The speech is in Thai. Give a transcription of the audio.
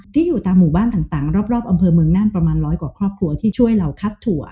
ที่อยู่ตามหมู่บ้านต่างรอบอำเภอเมืองน่านประมาณร้อยกว่าครอบครัวที่ช่วยเราคัดถั่ว